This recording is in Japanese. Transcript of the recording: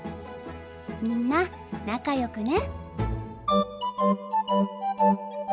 みんな仲よくね。